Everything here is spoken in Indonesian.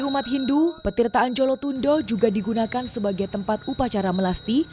umat hindu petirtaan jolotundo juga digunakan sebagai tempat upacara melasti